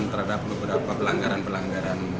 terhadap beberapa pelanggaran pelanggaran